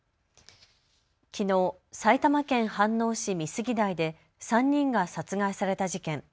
きのう埼玉県飯能市美杉台で３人が殺害された事件。